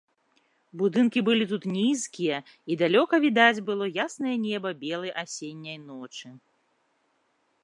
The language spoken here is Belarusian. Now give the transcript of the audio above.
Будынкі былі тут нізкія, і далёка відаць было яснае неба белай асенняй ночы.